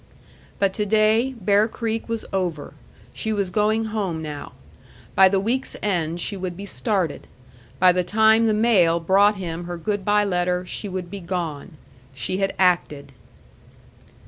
But to day Bear Creek was over. She was going home now. By the week's end she would be started. By the time the mail brought him her good by letter she would be gone. She had acted.